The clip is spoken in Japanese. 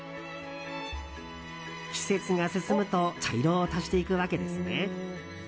季節が進むと茶色を足していくわけですね。